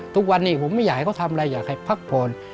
ทุกวันนี้ผมไม่อยากให้เขาทำอะไรอยากให้พักผ่อน